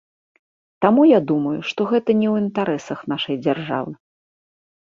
Таму я думаю, што гэта не ў інтарэсах нашай дзяржавы.